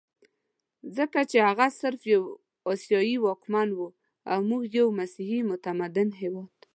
ځکه چې هغه صرف یو اسیایي واکمن وو او موږ یو مسیحي متمدن هېواد.